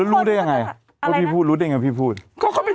รู้ได้ยังไงพี่พูดรู้ได้ยังไงพี่พูดเขาเขาเป็น